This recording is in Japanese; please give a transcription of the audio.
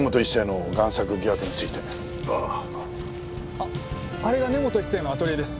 あっあれが根本一成のアトリエです。